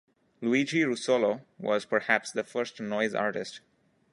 Luigi Russolo was perhaps the first noise artist.